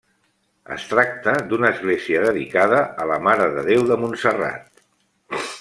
Es tracta d'una església dedicada a la Mare de Déu de Montserrat.